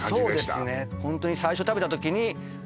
そうですね